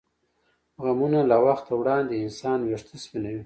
غمونه له وخته وړاندې د انسان وېښته سپینوي.